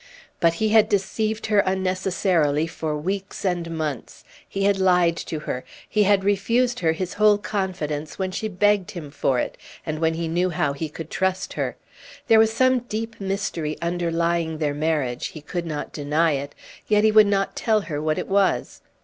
But he had deceived her unnecessarily for weeks and months. He had lied to her. He had refused her his whole confidence when she begged him for it, and when he knew how he could trust her. There was some deep mystery underlying their marriage, he could not deny it, yet he would not tell her what it was.